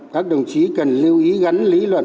các đồng chí cần lưu ý gắn lý luận